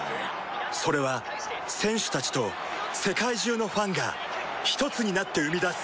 それは選手たちと世界中のファンがひとつになって生み出す